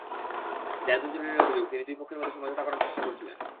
জায়েদুল জলিলের অভিযোগ, তিনি দুই পক্ষের মধ্যে সমঝোতা করার চেষ্টা করছিলেন।